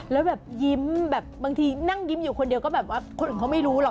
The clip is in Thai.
แล้วแบบยิ้มแบบบางทีนั่งยิ้มอยู่คนเดียวก็แบบว่าคนอื่นเขาไม่รู้หรอก